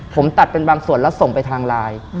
ผมตัดเป็นบางส่วนแล้วส่งไปทางไลน์